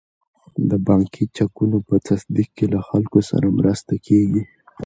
د بانکي چکونو په تصدیق کې له خلکو سره مرسته کیږي.